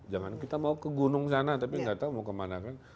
jangan kita mau ke gunung sana tapi nggak tahu mau kemana kan